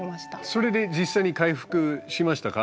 それで実際に回復しましたか？